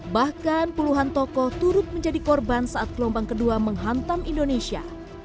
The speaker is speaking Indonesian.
bahkan puluhan tokoh turut menjadi korban saat gelombang kedua menghantam indonesia